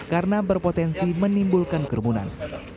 karena berpotensi menimbulkan kerumunan